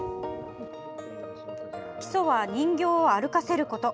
基礎は人形を歩かせること。